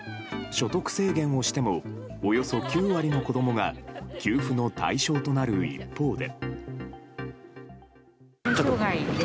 所得制限をしてもおよそ９割の子供が給付の対象となる一方で。